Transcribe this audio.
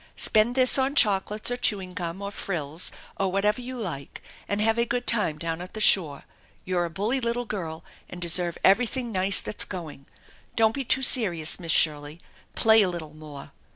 Spend this on chocolates or chewing gum or frills or whatever you like and have a good time down at the shore. You're a bully little girl and deserve everything nice that's going. Don't be too serious, Miss Shirley. Play a little more.